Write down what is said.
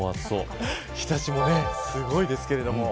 日差しもすごいですけれども。